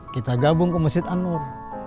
kita gabung ke masjid an nur